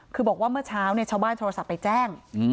คือบอกว่าเมื่อเช้าชาวบ้านโทรศัพท์ไปแจ้ง